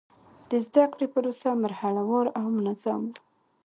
د زده کړې پروسه مرحله وار او منظم و.